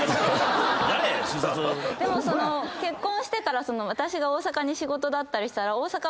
でも結婚してから私が大阪に仕事だったりしたら。